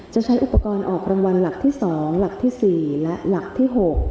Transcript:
ใช้อุปกรณ์ออกรางวัลหลักที่๒หลักที่๔และหลักที่๖